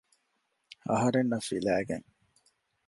އަހަރެންނަށް ފިލައިގެން